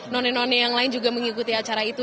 none none yang lain juga mengikuti acara itu